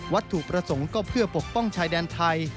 ถูกประสงค์ก็เพื่อปกป้องชายแดนไทย